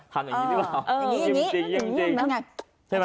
ทำอย่างนี้ดีหรือเปล่า